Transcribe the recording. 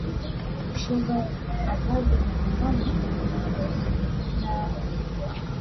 Ushoga bado ni haramu na mashoga wanakabiliwa na kukamatwa, kutengwa na ghasia